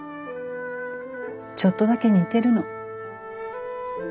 ちょっとだけ似てるの。